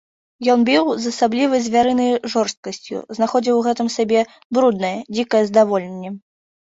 Ён біў з асаблівай звярынай жорсткасцю, знаходзіў у гэтым сабе бруднае, дзікае здаволенне.